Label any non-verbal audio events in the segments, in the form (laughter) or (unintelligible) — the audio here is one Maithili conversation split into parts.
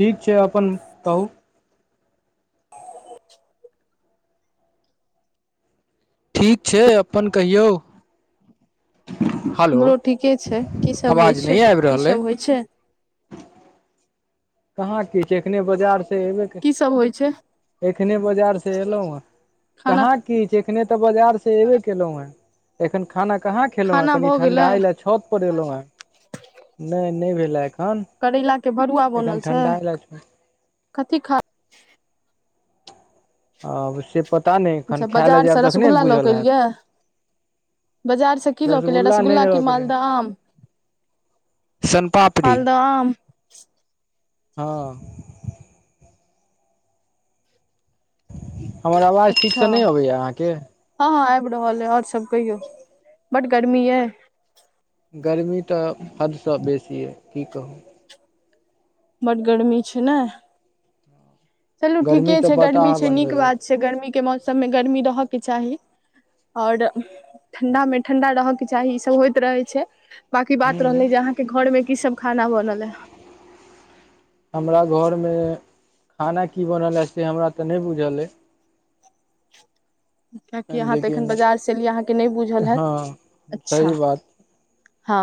ठीक छै अपन कहू (unintelligible) (inaudible) ठीक छै अपन कहियौ हेलो हमरो ठीके छै की सब आवाज होइ नहि छै आबि की रहल अइ सब होइ छै कहाँ कि छ एखने बाजार से एबे के की सब होइ छै एखने बाजार से एलहुँ है खाना कहाँ की छै एखने तऽ बाजार से एबे केलहुँं है एखन खाना कहाँ खेलहुं है खाना कनि भऽ गेलै ठंडा ल छत लहु ह नहि नहि भेल ह अखन करैला के भरुआ बनल छै (unintelligible) कथी खा आब से पता नहि एखन अच्छा खाय ल बाजार से जायब तखने रसगुल्ला लऽ के बुझल हैत एलियै बाजार से की लऽ क लिये नहि रसगुल्ला की रह मालदह आम सनपापड़ी मालदह आम हँ हमर आवाज ठीकसँ अच्छा नहि अबैए अहाँके हँ हँ आबि रहल अइ और सब कहियौ बड गर्मी यऽ गर्मी तऽ हदसँ बेसी यऽ की कहू बड गर्मी छै ने चलू ठीके गर्मी तऽ छै गर्मी बताह छै नीक बनबैवला बात छै गर्मीके मौसम मे गर्मी रहयके चाहि और ठण्ढा मे ठण्ढा रहयके चाहि इ सभ होइत रहै छै बाकी बात हूँ रहले जे अहाँके घर मे की सब खाना बनल है हमरा घरमे खाना की बनल अ से हमरा तऽ नाए बुझल अइ अइ किआकि अहाँ तऽ लेकिन एखन बाजार सँ एलियै अहाँके नहि बुझल हैत हँ सही अच्छ बात हँ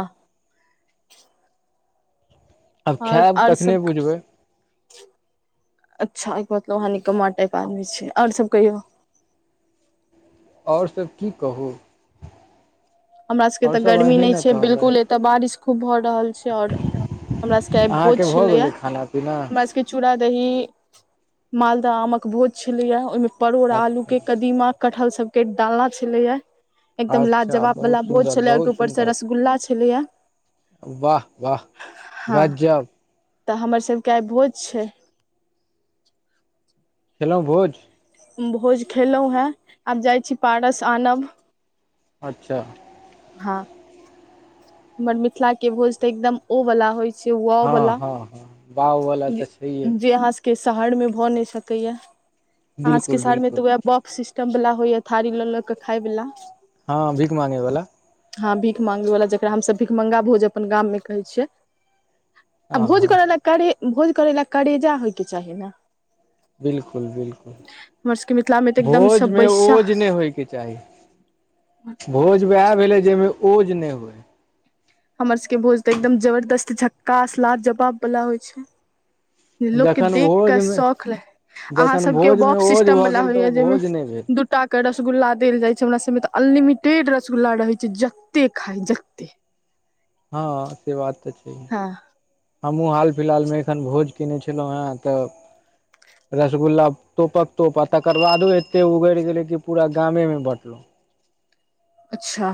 आब और खायब और तखने सभ (unintelligible) बुझबै अच्छ एके मतलब अहाँ निकम्मा टाइप आदमी छै ओर सब कहियो ओर सब की कहू हमरा सब के आओर एते गर्मी अहीं न ने छै कहबै बिल्कुल एते बारिश खूब भऽ रहल ओर हमरा सबके भोज अहाँके भऽ छलै गेलै खाना पीना हम सब के चूड़ा दही मालदह आमक भोज छलैया ओहिमे परोड़ आलू अच्छा के कदीमा कटहल सब के डालना छले या एकदम अच्छा लाजवाब बहुत बला भोज सुन्दर छलै ओहिके बहुत ऊपर से सुन्दर रसगुल्ला छलैय वाह वाह गजब तऽ हमर सभके आए भोज छै खेलो भोज भोज खेलो है आब जाइत छी पारस आनब अच्छ हँ हमर मिथिला के भोज तऽ एकदम ओ वाला होइ छै वाव हँ वाला हँ हँ वाह वला तऽ छैहे जे अहाँ सबके शहर मे भऽ नए सकैया अहाँ सबके बिल्कुल शहर मे तऽ बिल्कुल उएह बफ सिस्टम वाला होइ या थारी लऽ ल के खाय वला हँ भीख माँंगे वाला हँ भीख मांगे वाला जकरा हम भीख मांगा भोज अपन गाम मे कहै छियै आ हँ भोज हँ करै ल कारेजा भोज करै लए कारेजा होइके चाहि ने बिल्कुल बिल्कुल हमर सबके मिथिला मे तऽ एकदम भोजमे सबबैसा ओज नहि होइके चाहि भोज उएह भेलै जाहिमे ओज नहि होइ हमर सबके भोज तऽ एकदम जबरदस्त झक्कास लाजवाब वाला होइ छै लोक के जखन देख के भोजमे शौख ले अहाँ जखन सभके भोजमे बफ ओज सिस्टम भऽ वाला गेल तऽ होइया ओ जाहिमे भोज नहि भेल दू। सभटाके रसगुल्ला देल जाइ छै, हमरा सभमे तऽ अनलिमिटेड रसगुल्ला रहै छै, जते खाइ जते। (inaudible) हँ, से बात तऽ छै। हँ हमहूँ हाल फिलहालमे एखन भोज कने छलहुँ हैं तऽ फ रसगुल्ला तोपक तोप आ तकर बादो एते उगड़ि गेलै कि पूरा गामे बँटल। अच्छा,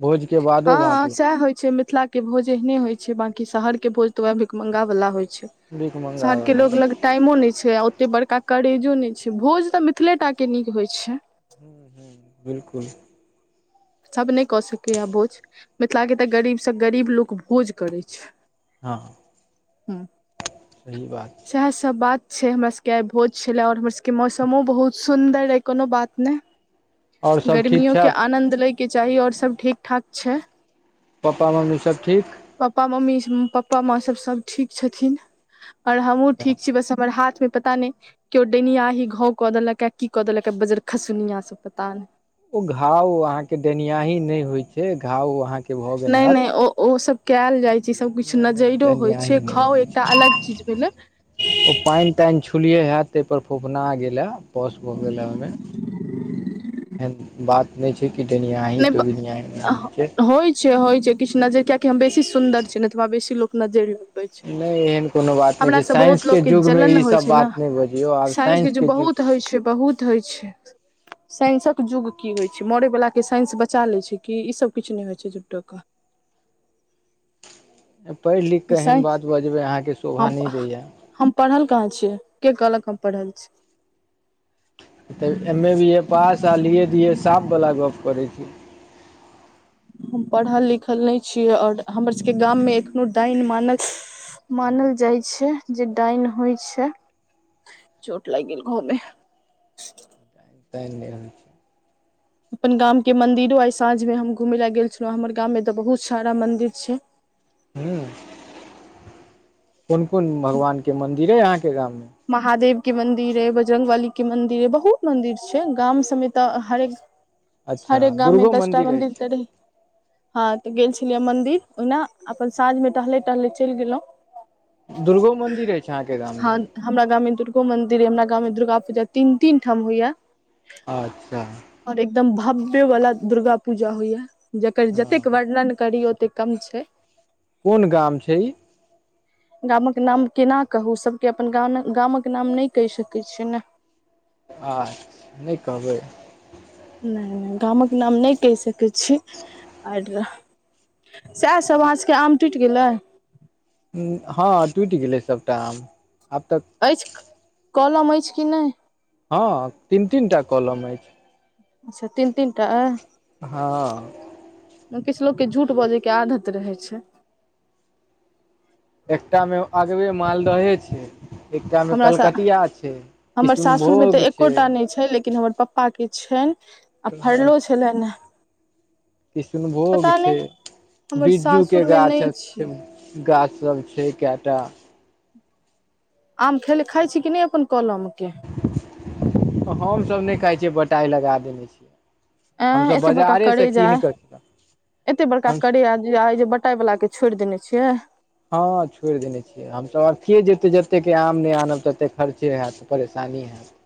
भोज के बादो हँ, सएह बाँटलहुँ होइ छै मिथिलाके। के भोज एहने होइ छै, बाकी शहरके भोज तऽ वेह भीखमंगा वाला होइ छै भीख शहरके लोग मंगाबैवला लग टाइमो नहि छै, आ ओतेक बड़का करेजो नहि छै, भोज तऽ मिथिलेटाके निक होइ छै। बिल्कूल। सभ नहि कऽ सकैएा भोज मिथिलाे तऽ गरीब सँ गरीब लोक भोज करैत छै। हँ। ह्म सही बात। छै सएह सभ बात छै, हमरा सभके आइ भोज छले और हमर सभके मौसमो बहुत सुन्दर रहे कोनो बात ने। आओर सब ठीक गर्मियो के छैथ आनन्द लैके चाही आओर सभ ठीक ठाक छै। पप्पा मम्मी सभ ठीक। पप्पा मम्मी, पप्पा माँ सभ सभ ठीक छथिन। और, हमहुँ ठीक छी बस हमर हाथमे पता नहि के्यो डैनियाही घावकऽ देलक की क देलक है बजर खसुनिया सभ पता नहि। ओ घाव अहाँकेँ डनियाही नहि होइ छै, घाव अहाँकेँ नहि नहि ओ ओ सभ। कयल जाइ छै, सभ किछु नहि नहि नजरो होइ डेनियाही छै, नहि खाउ होइ छै, एकटा अलग चीज भेलै। तैन छुलिये हयैत तहिप फोफना गेल है। पस भऽ गेल ओमे बात। नहि छै, कि डेनयाही जोगीनाहि छै। होय छै, किछ नजर कियाकि हम बेसी सुंन्दर छै ने तऽ हमरा बेसी लोग नजेर लगबे। नहि एहन कोनो बात नहि हमरा छै सभ बहुत लोक साइंसके के युगमे जलन होइ ईसभ छै, ने बात नहि बजियौ आब साइंसके युग बहुत होइ छै बहुत होइ छै साइंसक युग की होइ छै मरे वला। साइंस बचा ले छै, कि ई सभ किछु नहि होइ छै जुटोके। पढ़ि लिख कऽ एहन साइ बात बजबै अहाँकेँ शोभा हम नहि दैय। हम पढ़ल कहाँ छियै, के कहलक हम पढ़ल छी। तऽ एमए, बीए पास आ लऽ दिअ। साफ-साफ गप करै छी। हम पढ़ल लिखल नहि छियै, ओर हमर सभके गाम मे एखनो डाइन मानस मानल जाइ छै, जे डाइन होइ छै। चोट लाग गेल घावमे। त। अपन गामके मन्दिरो आई साँझ मे हम घूमे ले गेल छलो हमर गाम मे ते बहुत सारा मंदिर छै हू, कोन कोन भगवानके मन्दिर अइ अहाँकेँ गाममे। महादेवके मंदिर है, बजरंग बली के मंदिर है, बहुत मंदिर छै गाम सभमे तऽ हरेक। अच्छा हरेक गाम मे दुर्गो दसटा मन्दिर अछि त रहै। हँ तऽ गेल छलियै मंदिर ओहिना अपन साँझ मे टहले टहले चैल गेलहुँ। ह। दुर्गो मंन्दिर रहै छै, अहाँकेँ गाम मे हमरा गाँवमे दुर्गो मंदिर अइ हमरा गाँवमे दुर्गा पूजा तीन तीन ठाम होइया अच्छा और एकदम भव्य वाला दुर्गा पूजा होइया जेकर हँ जतेक वर्णन करी ओतेक कम छै कोन गाम छै ई गामक नाम केना कहू सभके अपन ग गामक नाम नहि कहि सकैत छियै नै आ नहि कहबै नहि नहि गामक नाम नहि कहि सकै छी आर सएह सभ आँचके आम टूट गेलै हँ टुट गेलै सबटा आम आब तक अछि कलम अछि कि नहि हँ तीन तीन टा कॉलम अछि अच्छा तीन तीन टा हँ किछ लोग के झूठ बजे के आदत रहे छै एकटा मे अगवे मालदहे छै एकटामे हमरा स कलकतिया छै हमर सासुरमे किशुनभोग तऽ छै एकोटा नहि छै लेकिन हमर पप्पा पापा के छनि आ फरलो छलनि किशनभोग पता छै नहि हमर बिज्जू के सासुरमे गाछ नहि छै गाछ सब छै केटा आम खेल लए खाइ छी कि नहि अपन कलमे हमसभ नहि खाई छियै बटाई लगा देने छियै ए हमसभ एते बड़का बाजारेसँ करेजा कीन कऽ एते बड़का हम करेजा जे बटाई वाला के छोड़ि देने छियै हँ छोड़ दने छ हम तऽ अथिए जेतै जतेक आम नहि आनब ततेक खर्चे होयत परेशानी हैयत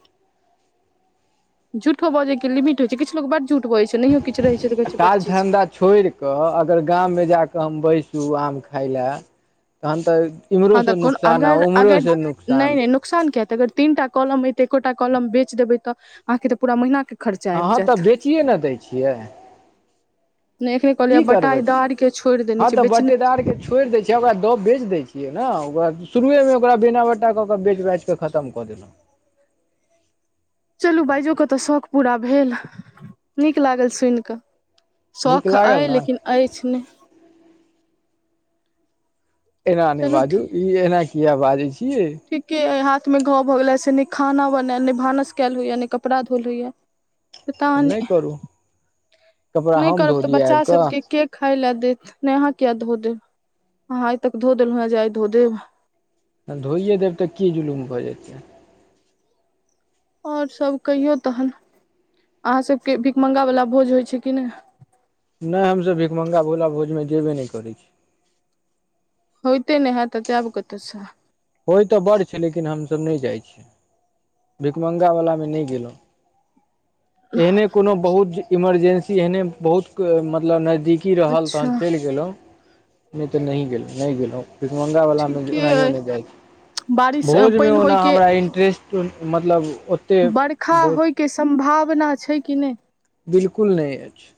झूठो बजै के लिमिट हो छै किछ लोक बड झूठ बजै छै नहियो किछ रहै छै तऽ कहै छै बड चीज छोड़िकऽ अगर गाममे जाकऽ हम बैसू आम खाई लए तहन तऽ इमहरो हँ से नुकसान ह उमहरो से नुकसान नुकसानक किया हैते अग तीनटा कलम एतऽ एकटा कलम बेच देबै तऽ अहाँके त पूरा महीनाके अहाँ तऽ बेचियए ने दै छियै नहि एखने की कहलियै करबै बटाईदार के छोड़ि देने हँ छै तऽ बेचने बटेदारके छोड़ि दै छियै ओकरा दऽ बेच दै छियै ने ओकरा शुरुएमे ओकरा बिना बट्टा कऽ कऽ बेच बाच कऽ खत्म कऽ देलहुँ चलू बाजयो क तऽ शौक पूरा भेल नीक लागल सुन कऽ नीक शौख लागल अइ ने लेकिन अछि नहि एना नहि चलू बाजू ठीक ई एना किया बाजै छियै ठीके हाथ में घाव भऽ गेले से ने खाना बने ने भानस कयल होइया ने कपड़ा धोल हइया तऽ नहि करू कपड़ा हम धो दिय आब कऽ खायइ ले देत ने अहाँ किया धो देब अहाँ आइ तक धो देलहु है जे आइ धो देब त धोइए देब तऽ की जुलुम भऽ जेतै और सब कहियो तहन अहाँ सबके भिक मंगा वाला भोज होइ छै की नहि नहि हमसभ भिक मङ्गा भोला भोजमे जेबे नहि करै छी होते नहि हैत त जायब केतसे होइ तऽ बड़ छै लेकिन हमसभ नहि जाई छियै भिकमङ्ंगा वला मे नहि गेलहुं एहने कोनो बहुत इमरजेंसी एहने बहुत मतलब नजदीक की रहल तहन अच्छा चलि गेलहुँ नहि तऽ नहि गेलहुँ नहि गेलहुँ भीखमंगा वाला मे ठीके ओनाहियो अइ नहि जाय छि बारिश भोजमे पानि ओना होयके हमरा इन्टरेस्ट मतलब ओते बरखा भोज होय के सम्भावना छै की नहि बिल्कुल नहि अछि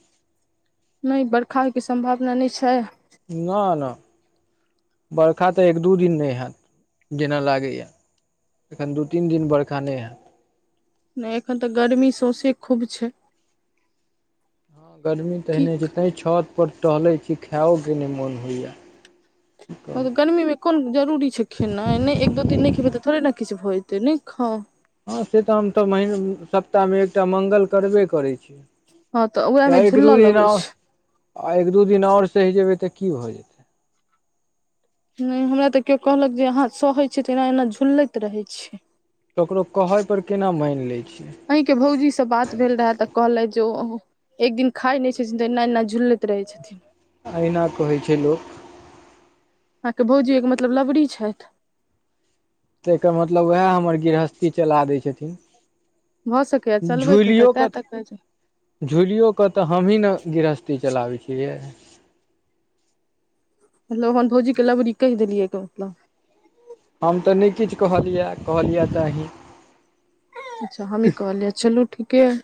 नहि बरखा होइके सम्भावना नहि छै ना ना बरखा तऽ एक दू दिन नहि हैत जेना लागैए या एखन दू तीन दिन बरखा नहि हैत नहि एखन तऽ गर्मी सौंसे खूब छै हँ गर्मी त की एहने छै तैँ छतपर टहलैत छी खेओक के नहि मोन होइए ह गरमीमे (unintelligible) कोन जरूरी छै खेनाई नहि एक दू दिन नहि खेबै तऽ थोड़े ने किछु भऽ जेतै नहि खाउ हँ से तऽ हम तऽ मह सप्ताहमे एकटा मङ्ंगल करबे करै छी हँ तऽ उमे झुल लगै छै आर एक दू दिन आओर सहि जेबै तऽ की भऽ जेतै नहि हमरा तऽ केओ कहलक जे अहाँ सहै छै तऽ एना एना झुललैत रहै छिऐ ककरो कहै पर केना मानि लै छिऐ अहींके भौजी से बात भेल रहै तऽ कहलथि जेओ एक दिन खाई नहि छथिन तऽ एना एना झुलैत रहै छथिन्ह अहिना कहै छै लोक अहाँके भौजी एक मतलब लबड़ी छथि तऽर मतलब उएह हमर गृहस्थी चलाबै छथिन्ह भऽ सकैए चलबैत हे तऽ ता तक कहैत छै झूलियओ क तऽ हमहीँ ने गृहस्थी चलाबै छिऐ मतलब ओहन फोजी के लवरी कहि देलए एक गोप मे हम तऽ नहि किछ कहलिए कहलिए आंही अच्छा हमी कहलिय चलू ठीके आइए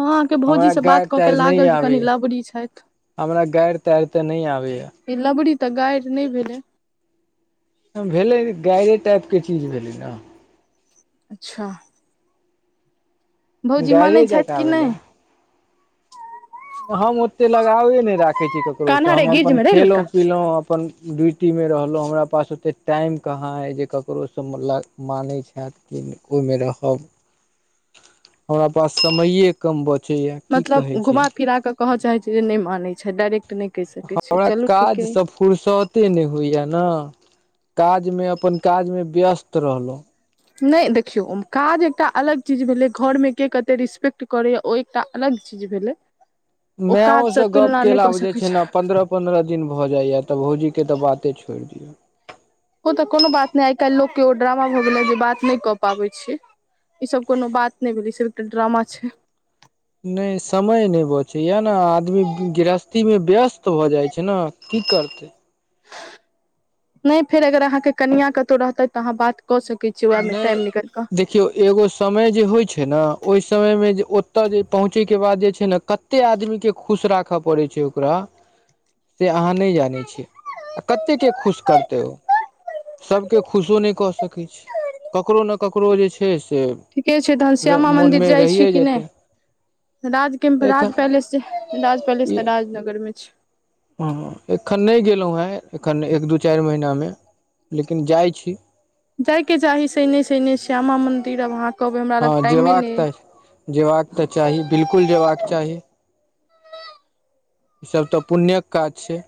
हाँ अहाँ के भौजी हमरा सँ बात गारि कऽ के लागल जे कनि रबड़ी छैथ हमारा गाइर तैर तऽ ने आबय यै ई लबड़ी तऽ गाइर नहि भेलै भेलै गायरे टाइप के चीज भेलै न अच्छा भौजी मानै गायरे छैथ जकाँ की नै भेलै हम ओतेक लगावे नहि राखैत छी ककरो सँ कान्हा रे हम गिर अपन जेमे रे खेलो लड़का खेलोउ अपन ड्यूटी में रहलहुँ हमरा पास ओते टाइम कहाँ अई जे ककरो सँ मानैत छैथ की ओहि में रहब हमरा पास समये कम बचै या की मतलब कहै छी घुमा फिरा कऽ कहऽ चाहैत छी जे नहि मानैत छै डायरेक्ट नहि कहि सकैत छी चलू ठीके अइ फुुरसते नहि होइए ना काजमे अपन काजमे व्यस्त रहलहुँ ने देखियौ ओ काज एकटा अलग चीज भेलै घर में के कते रिस्पेक्ट करैए ओहि एक्टा अलग चीज भेलै मैय ओ काजसँ से गप्प तुलना नहि केला कऽ बुझैय सकैत छै पन्द्रह पन्द्रह दिन भऽ जाइया तऽ भौजी के तऽ बाते छोड़ि दिऔ ओ तऽ कोनो बात नहि आइ काल्हि लोक के ओ ड्रामा भऽ गेलै जे बात नहि कऽ पाबै छै ई सब कोनो बात नहि भेलै ई सिर्फ ड्रामा छै नहि समय नहि बचैए यए ने आदमी गृहस्थी मे व्यस्त भऽ जाई छै ने की करतै नै फेर अगर अहाँ के कनिआ कतहु रहतै तऽ अहाँ बात क सकै छी वैहा मे नहि टाइम निकल कऽ देखियौ एगो समय जे होई छै ने ओहि समय मे जे ओतऽ जे पहुँचै के बाद जे छै ने कत कते आदमी के खुश राखे पड़े छै ओकरा जे अहाँ नहिं जाने छी आ कते के खुश करतै ओ सभ के खुशो नहि कऽ सकै छी ककरो ने ककरो जे छै से ठीके छै तहन श्यामा मन्दिर मोनमे जाई छी रहिए की नै जेतै राज केम राज एखन पैलेस राज पैलेस तऽ राजनगर मे छै हाँ एखन नहिं गेलहुँ हे एखन एक दू चारि महिना‌ में लेकिन जाइत छी जाइके चाही सैने सैने श्यामा मंन्दिर आब अहाँ कहबै हमरा लग हँ टाइमे जेबाक नहीं हे तऽ जेबाक तऽ चाही बिल्कुल जेबाक चाही ई सब तऽ पुण्य के काज छै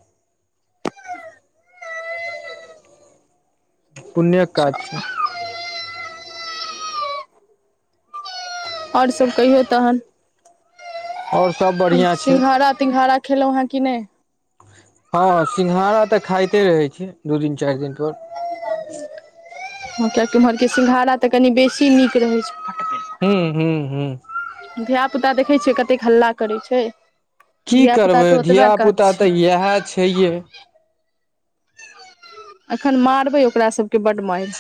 पुण्य काज अच्छा छै और सब कहियौ तहन और सिंघाड़ा तिंंगघड़ा खेलहुँ हे की नहिं हाँ हाँ सिंघाड़ा तऽ खाइते रहै छै दू दिन चारि दिन पर हाँ किया की ओम्हर के सिंघाड़ा तऽ कनि बेसी नीक रहैत छै हुँ हुँ हुँ धिआ पुता देखै छियै कतेक हल्ला करै छै की धिया पुता करबै के धिआ ओतबे काज पुता छै तऽ इएह छैहे अखन मारबै ओकरा सब के बड्ड मारि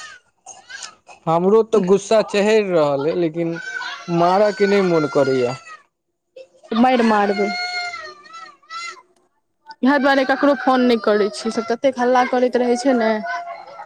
हमरो तऽ गुस्सा चढ़ि रहल अऽ लेकिन मारय के नहि मौन करैया बड़ मैर मारबै इएह दुआरे ककरो फोन नहि करैत छी ई सभ ततेक हल्ला करैत रहै छै ने